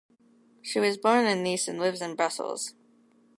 She was born in Nice and lives in Brussels.